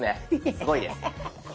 すごいです。